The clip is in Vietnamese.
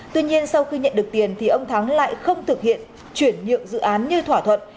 tuy nhiên sau khi nhận được tiền thì ông thắng lại không thực hiện chuyển nhượng dự án như thỏa thuận